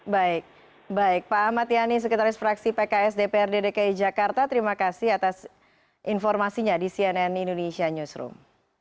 baik baik pak ahmad yani sekretaris fraksi pks dprd dki jakarta terima kasih atas informasinya di cnn indonesia newsroom